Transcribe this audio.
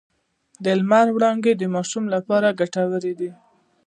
د لمر وړانګې د ماشوم لپاره ګټورې دي۔